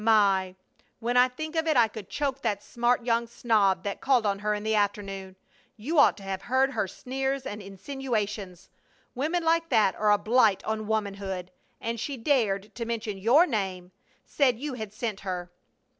My! When I think of it I could choke that smart young snob that called on her in the afternoon! You ought to have heard her sneers and her insinuations. Women like that are a blight on womanhood! And she dared to mention your name said you had sent her!"